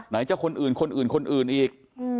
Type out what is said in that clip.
ไหนจะคนอื่นคนอื่นคนอื่นอีก